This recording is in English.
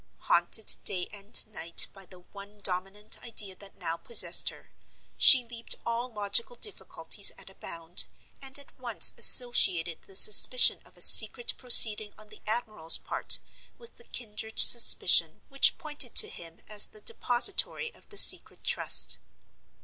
Haunted day and night by the one dominant idea that now possessed her, she leaped all logical difficulties at a bound, and at once associated the suspicion of a secret proceeding on the admiral's part with the kindred suspicion which pointed to him as the depositary of the Secret Trust.